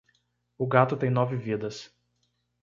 O gato tem nove vidas.